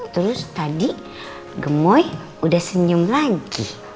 terus tadi gemoy udah senyum lagi